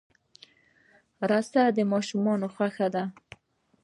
رس د ماشومانو خوښي ده